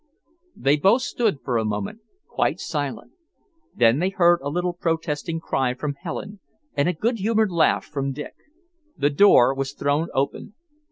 They both stood, for a moment, quite silent. Then they heard a little protesting cry from Helen, and a good humoured laugh from Richard. The door was thrown open.